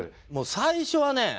最初はね